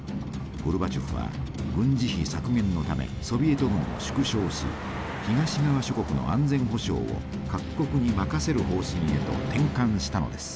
ゴルバチョフは軍事費削減のためソビエト軍を縮小し東側諸国の安全保障を各国に任せる方針へと転換したのです。